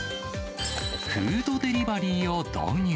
フードデリバリーを導入。